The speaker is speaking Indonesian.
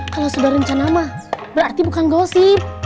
kalau sudah rencana mah berarti bukan gosip